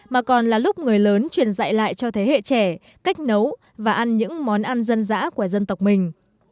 mà còn là lúc người lớn truyền dạy lại cho thế hệ trẻ cách nấu và ăn những món ăn dân dã của dân tộc mình